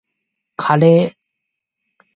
カレー